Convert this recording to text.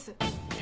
え？